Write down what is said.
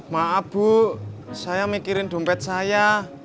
maaf bu saya mikirin dompet saya